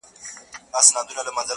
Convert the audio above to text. د ژوندي انسان ځانګړنه و اړتیا ده